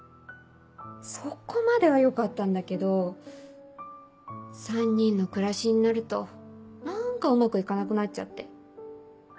そこまではよかったんだけど３人の暮らしになると何かうまく行かなくなっちゃって。